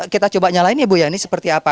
kita coba nyalain ya bu ya ini seperti apa